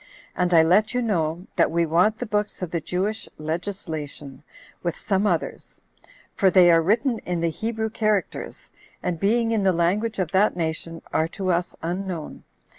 And I let you know, that we want the books of the Jewish legislation, with some others; for they are written in the Hebrew characters, and being in the language of that nation, are to us unknown.